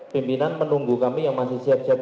pimpinan menunggu kami yang masih siap siap